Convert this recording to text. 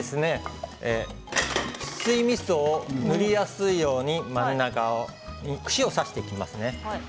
翡翠みそを塗りやすいように真ん中に串を刺していきます。